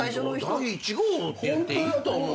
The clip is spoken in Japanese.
第一号って言っていいと思う。